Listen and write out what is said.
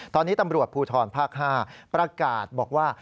ตอนนี้ตำรวจภูทรภาค๕ประกาศบอกว่า